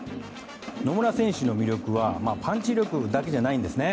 野村選手の魅力はパンチ力だけじゃないんです。